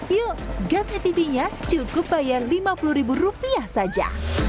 yuk gas atv nya cukup bayar rp lima puluh saja